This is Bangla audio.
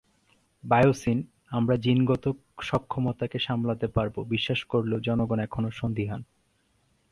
বায়োসিন আমরা জিনগত সক্ষমতাকে সামলাতে পারবো বিশ্বাস করলেও, জনগণ এখনো সন্দিহান।